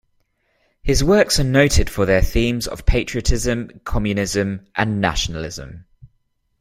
His works are noted for their themes of patriotism, communism, and nationalism.